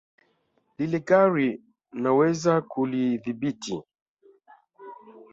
Lile gari naweza kulidhibiti